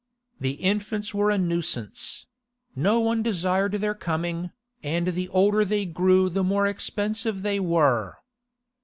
The infants were a nuisance; no one desired their coming, and the older they grew the more expensive they were.